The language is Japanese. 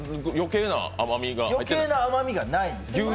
余計な甘みがないんです。